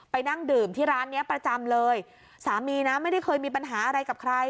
นั่งดื่มที่ร้านเนี้ยประจำเลยสามีนะไม่ได้เคยมีปัญหาอะไรกับใคร